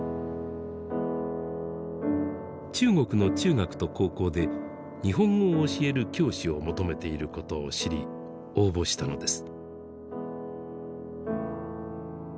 中国の中学と高校で日本語を教える教師を求めていることを知り応募したのです。